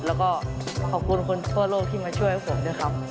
แล้วก็ขอบคุณคนทั่วโลกที่มาช่วยผมด้วยครับ